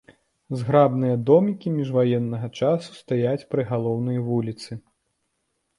Зграбныя домікі міжваеннага часу стаяць пры галоўнай вуліцы.